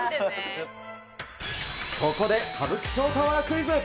ここで歌舞伎町タワークイズ。